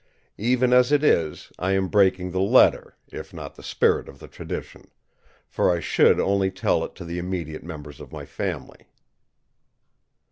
Even as it is, I am breaking the letter, if not the spirit of the tradition; for I should only tell it to the immediate members of my family."